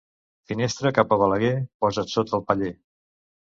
Finestra cap a Balaguer, posa't sota el paller.